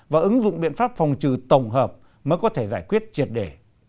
và ứng dụng biện pháp phòng trừ tổng hợp mới có thể giải quyết triệt đề